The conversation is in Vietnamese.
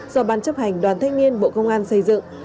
do ban chấp hành đoàn thanh niên bộ công an xây dựng